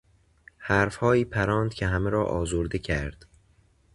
حرفهایی پراند که همه را آزرده کرد.